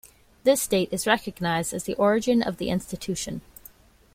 This date is recognised as the origin of the institution.